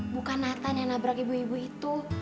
bukan nathan yang nabrak ibu ibu itu